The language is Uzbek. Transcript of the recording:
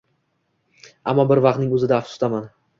Ammo bir vaqtning o‘zida afsusdaman